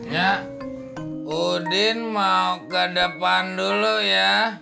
ya udin mau ke depan dulu ya